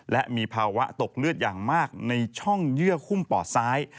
และมีภาวะตกเลือดอย่างมากในช่องเยื่อหุ้มปอดซ้าย